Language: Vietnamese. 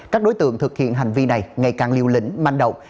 các đối tượng thực hiện hành vi này ngày càng liều lĩnh manh động